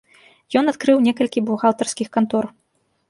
Ён адкрыў некалькі бухгалтарскіх кантор.